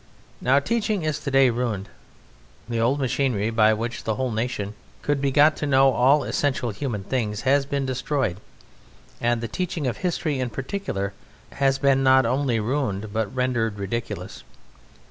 Now teaching is today ruined. The old machinery by which the whole nation could be got to know all essential human things, has been destroyed, and the teaching of history in particular has been not only ruined but rendered ridiculous.